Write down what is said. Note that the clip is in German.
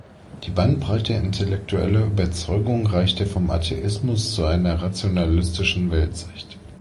Die Bandbreite intellektueller Überzeugungen reichte vom Atheismus bis zu einer rationalistischen Weltsicht.